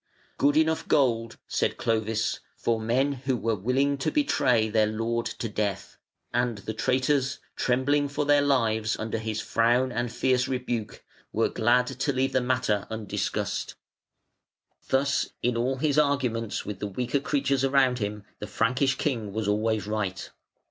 "Good enough gold", said Clovis, "for men who were willing to betray their lord to death"; and the traitors, trembling for their lives under his frown and fierce rebuke, were glad to leave the matter undiscussed. Thus in all his arguments with the weaker creatures around him the Frankish king was always right.